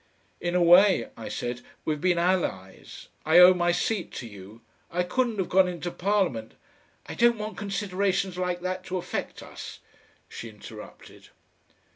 "In a way," I said, "we've been allies. I owe my seat to you. I couldn't have gone into Parliament...." "I don't want considerations like that to affect us," she interrupted.